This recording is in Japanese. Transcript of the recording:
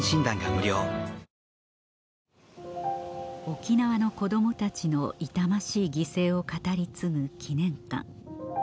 沖縄の子供たちの痛ましい犠牲を語り継ぐ記念館